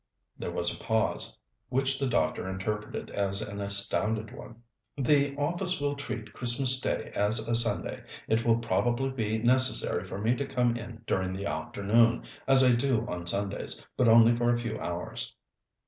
There was a pause, which the doctor interpreted as an astounded one. "The office will treat Christmas Day as a Sunday. It will probably be necessary for me to come in during the afternoon, as I do on Sundays, but only for a few hours."